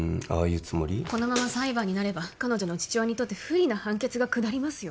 このまま裁判になれば彼女の父親にとって不利な判決が下りますよ